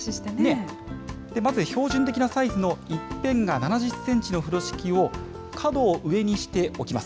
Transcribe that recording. まず標準的なサイズの１辺が７０センチの風呂敷を角を上にして置きます。